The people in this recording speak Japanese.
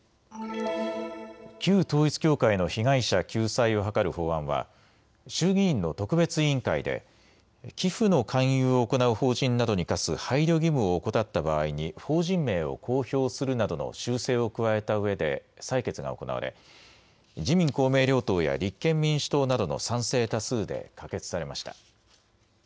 旧統一教会の被害者救済を図る法案は衆議院の特別委員会で寄付の勧誘を行う法人などに課す配慮義務を怠った場合に法人名を公表するなどの修正を加えたうえで採決が行われ自民公明両党や立憲民主党などの賛成多数で可決されました。